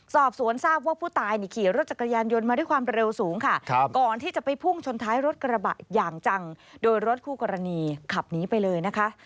สอบสวนทราบว่าผู้ตายนี่ขี่รถจักรยานยนต์มาด้วยความเร็วสูงค่ะก่อนที่จะไปพุ่งชนท้ายรถกระบะอย่างจังโดยรถคู่กรณีขับหนีไปเลยนะคะ